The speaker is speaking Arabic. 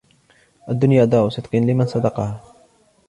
الدُّنْيَا دَارُ صِدْقٍ لِمَنْ صَدَقَهَا